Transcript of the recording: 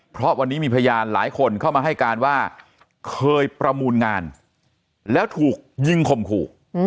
เพราะวันนี้มีพยานหลายคนเข้ามาให้การว่าเคยประมูลงานแล้วถูกยิงข่มขู่